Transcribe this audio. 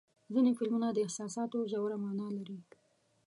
ځینې فلمونه د احساساتو ژوره معنا لري.